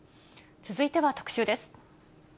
続いては特集です。